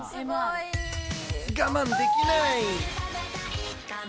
我慢できない。